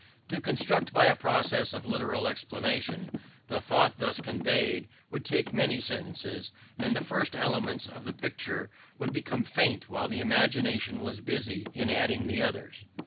To construct by a process of literal explanation, the thought thus conveyed would take many sentences, and the first elements of the picture would become faint while the imagination was busy in adding the others.